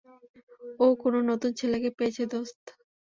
ও কোন নতুন ছেলেকে পেয়েছে, দোস্ত?